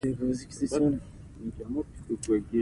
ډېرو موردونو کې اختلاف و.